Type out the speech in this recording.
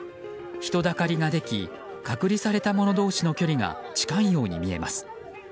人だかりができ隔離された者同士の距離が近いように見えます。